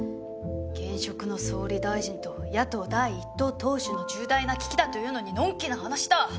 現職の総理大臣と野党第一党党首の重大な危機だというのにのんきな話だ。